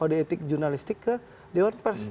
kode etik jurnalistik ke dewan pers